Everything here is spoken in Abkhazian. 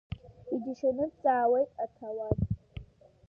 Иџьашьаны дҵааит аҭауад.